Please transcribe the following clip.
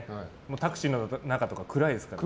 タクシーの中とか暗いですからね。